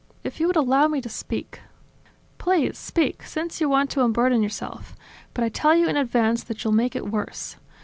"If you would allow me to speak ..." "Please, speak, since you want to unburden yourself; but I tell you in advance that you'll make it worse.